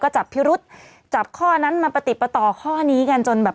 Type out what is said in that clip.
จับพิรุษจับข้อนั้นมาประติดประต่อข้อนี้กันจนแบบ